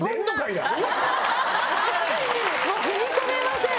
踏み込めません